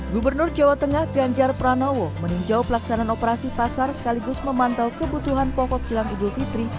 gubernur jawa tengah ganjar pranowo meninjau pelaksanaan operasi pasar sekaligus memantau kebutuhan pokok jelang idul fitri